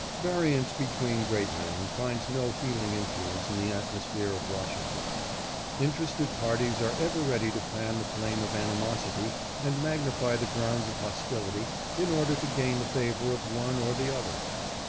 Variance between great men finds no healing influence in the atmosphere of Washington. Interested parties are ever ready to fan the flame of animosity and magnify the grounds of hostility in order to gain the favor of one or the other.